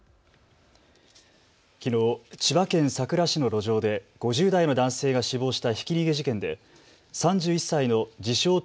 きのう、千葉県佐倉市の路上で５０代の男性が死亡したひき逃げ事件で３１歳の自称